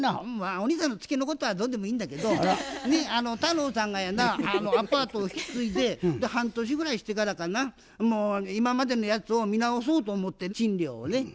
お兄さんのツケのことはどうでもいいんだけど太郎さんがやなアパートを引き継いで半年ぐらいしてからかな今までのやつを見直そうと思って賃料をね。